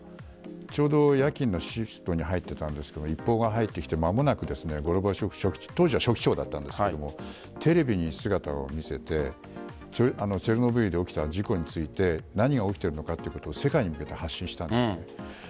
ちょうど、夜勤のシフトに入っていたんですが一報が入ってきて間もなく当時はゴルバチョフ書記長だったんですがテレビに姿を見せてチェルノブイリで起きた事故について何が起きているのかということを世界に向けて発信したんです。